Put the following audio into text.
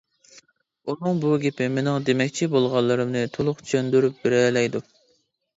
ئۇنىڭ بۇ گېپى مېنىڭ دېمەكچى بولغانلىرىمنى تولۇق چۈشەندۈرۈپ بېرەلەيدۇ.